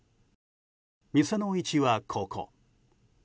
店の位置はここ。